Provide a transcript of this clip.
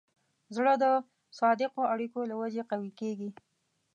زړه د صادقو اړیکو له وجې قوي کېږي.